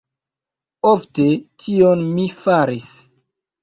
Ofte, tion mi faris.